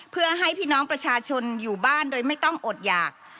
เพื่อให้พี่น้องประชาชนอยู่บ้านโดยไม่ต้องอดหยาก